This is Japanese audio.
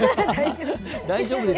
大丈夫です。